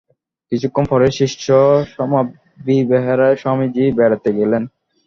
কিছুক্ষণ পরে শিষ্য-সমভিব্যাহারে স্বামীজী বেড়াইতে গেলেন।